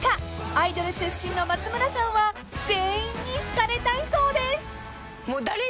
［アイドル出身の松村さんは全員に好かれたいそうです］